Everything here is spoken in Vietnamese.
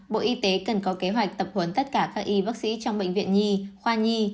bộ y tế cần có kế hoạch tập huấn tất cả các y bác sĩ trong bệnh viện nhi khoa nhi